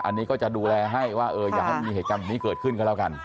อันนี้ก็จะดูแลให้ว่าอย่าให้มีเหตุการณ์แบบนี้เกิดขึ้นก็แล้วกัน